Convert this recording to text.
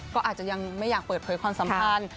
ก็อาจจะยังไม่อยากเปิดเผยความสัมพันธ์